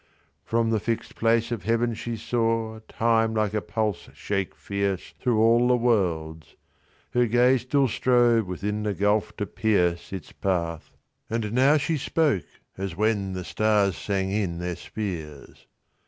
From the fix'd place of Heaven she sawTime like a pulse shake fierceThrough all the worlds. Her gaze still stroveWithin the gulf to pierceIts path; and now she spoke as whenThe stars sand in their spheres.